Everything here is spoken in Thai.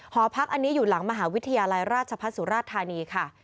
หอพักอันนี้อยู่หลังมหาวิทยาลัยราชพัฒน์สุราชธานีค่ะ